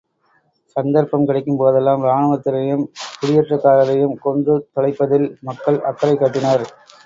சந்தர்ப்பம் கிடைக்கும் போதெல்லாம் இராணுவத்தினரையும், குடியேற்றக்காரரையும் கொன்று தொலைப்பதில் மக்கள் அக்கறை காட்டினர்.